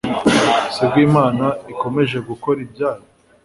sibwo Imana ikomeje gukora ibyayo,